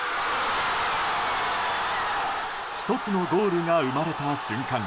１つのゴールが生まれた瞬間